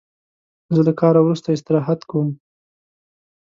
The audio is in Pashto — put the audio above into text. زه له کاره وروسته استراحت کوم.